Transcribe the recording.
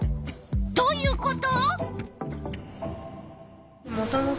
どういうこと？